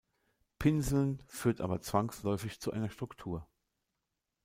Pinseln führt aber zwangsläufig zu einer Struktur.